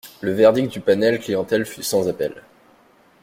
Le verdict du panel clientèle fut sans appel.